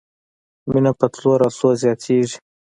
مینه په تلو راتلو زیاتیږي.